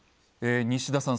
西田さん